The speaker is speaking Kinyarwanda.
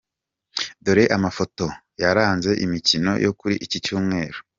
dore amafota yaranze imikino yo kuri icyi cyumweru